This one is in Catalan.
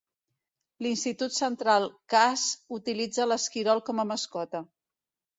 L'Institut Central Cass utilitza l'esquirol com a mascota.